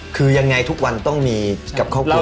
คือยังไงทุกวันต้องมีกับครอบครัว